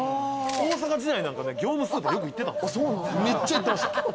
大阪時代なんか、業務スーパーよく行ってた。